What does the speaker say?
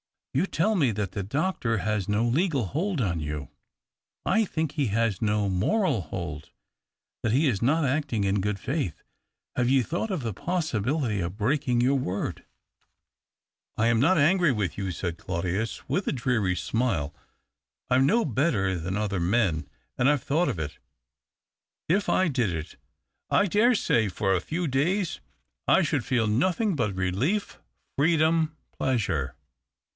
You tell me that the doctor has no legal hold on you. I think he has no moral hold — that he is not acting in good faith. Have you thought of the possi bility of — of breaking your word ?"" I am not angry with you," said Claudius, with a dreary smile. " I'm no better than other men, and I've thought of it. If I did it, [ dare say for a few days I should feel nothing 234 THE OCTAVE OF CLAUDIUS. but relief, freedom, pleasure.